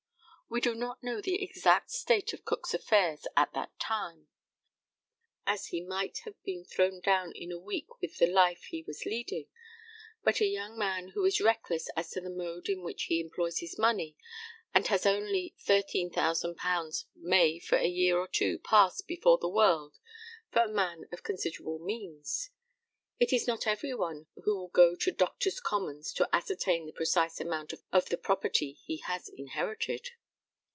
We do not know the exact state of Cook's affairs at that time. Such a fortune as he had might have been thrown down in a week with the life he was leading; but a young man who is reckless as to the mode in which he employs his money and has only £13,000 may for a year or two pass before the world for a man of considerable means. It is not every one who will go to Doctors' Commons to ascertain the precise amount of the property he has inherited.